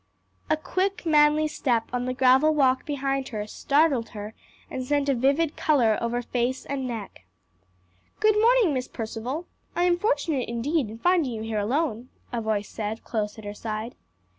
A quick, manly step on the gravel walk behind her startled her and sent a vivid color over face and neck. "Good morning, Miss Percival; I am fortunate indeed in finding you here alone," a voice said, close at her side.